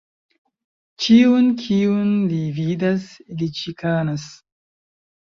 Ĉiun, kiun li vidas, li ĉikanas.